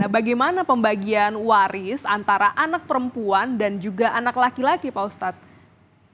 bagaimana pembagian waris antara anak perempuan dan juga anak laki laki pak ustadz